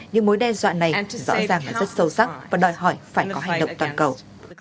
những mối đe dọa này rõ ràng là rất sâu sắc và đòi hỏi phải có hành động toàn cầu